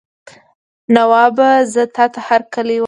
نوابه زه تاته هرکلی وایم.